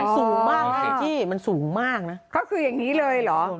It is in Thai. สูงมากเลยที่มันสูงมากนะก็คืออย่างนี้เลยเหรอ